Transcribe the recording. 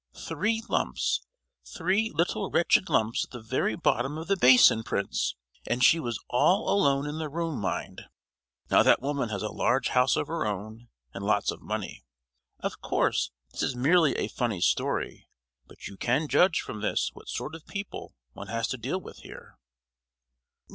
——three lumps—three little wretched lumps at the very bottom of the basin, prince!—and she was all alone in the room, mind! Now that woman has a large house of her own, and lots of money! Of course this is merely a funny story—but you can judge from this what sort of people one has to deal with here!"